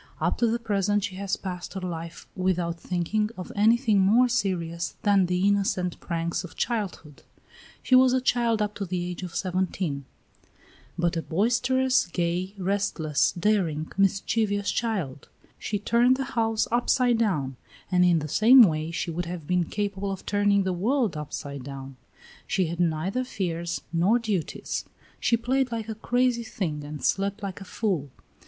Up to the present she has passed her life without thinking of anything more serious than the innocent pranks of childhood; she was a child up to the age of seventeen, but a boisterous, gay, restless, daring, mischievous child; she turned the house upside down, and in the same way she would have been capable of turning the world upside down; she had neither fears nor duties; she played like a crazy thing and slept like a fool.